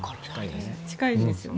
近いんですよね。